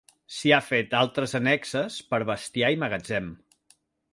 S'hi ha fet altres annexes per bestiar i magatzem.